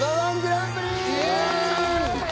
イエーイ！